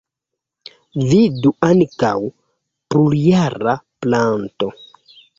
Vidu ankaŭ: plurjara planto.